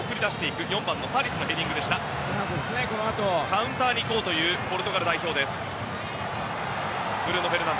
カウンターにいこうというポルトガル代表。